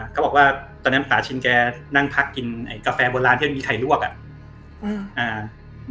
เขาบอกว่าตอนนั้นป่าชินแกนั่งพักกินไอ้กาแฟบนร้านที่มีไข่ลวกอะ